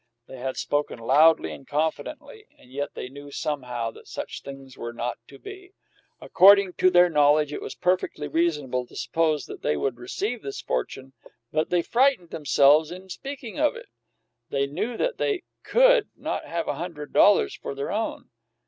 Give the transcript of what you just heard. They had spoken loudly and confidently, and yet they knew, somehow, that such things were not to be. According to their knowledge, it was perfectly reasonable to suppose that they would receive this fortune, but they frightened themselves in speaking of it; they knew that they could not have a hundred dollars for their own.